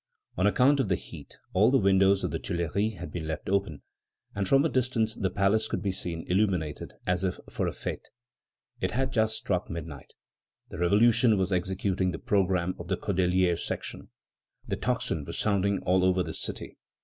On account of the heat, all the windows of the Tuileries had been left open, and from a distance the palace could be seen illuminated as if for a fête. It had just struck midnight. The Revolution was executing the programme of the Cordeliers' section. The tocsin was sounding all over the city.